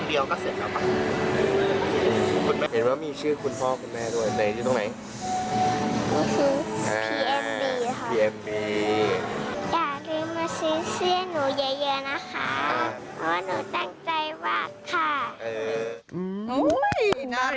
เพราะว่าหนูตั้งใจมากค่ะ